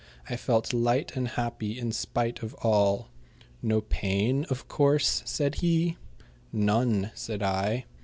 I felt light and happy, in spite of all. "No pain, of course?" said he. "None," said I.